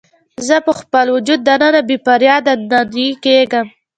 زه په خپل وجود دننه بې فریاده نینې کیږم